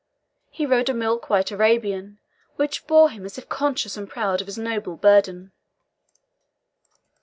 He rode a milk white Arabian, which bore him as if conscious and proud of his noble burden.